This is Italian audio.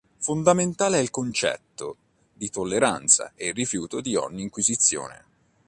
Fondamentale è il concetto di tolleranza e il rifiuto di ogni inquisizione.